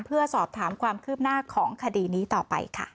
เพื่อสอบถามความคืบหน้าของคดีนี้ต่อไปค่ะ